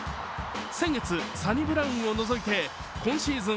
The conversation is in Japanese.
先月、サニブラウンを除いて今シーズン